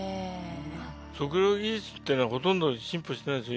測量技術っていうのはほとんど進歩してないんです